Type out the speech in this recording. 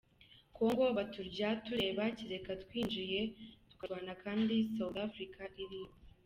Congo baturya tureba kereka twinjiyeyo turwana kandi South Africa iriyo!